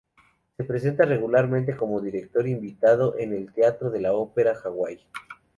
Se presenta regularmente como director invitado en el Teatro de la Ópera Hawai.